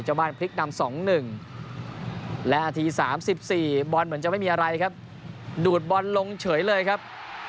บ้านพลิกนำ๒๑และนาที๓๔บอลเหมือนจะไม่มีอะไรครับดูดบอลลงเฉยเลยครับ